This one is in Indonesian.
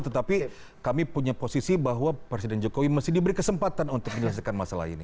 tetapi kami punya posisi bahwa presiden jokowi masih diberi kesempatan untuk menyelesaikan masalah ini